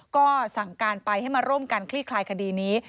ก็สั่งการไปให้มาร่วมกันคลี่คลายคดีนี้